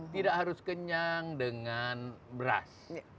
tidak harus kenyang dengan beras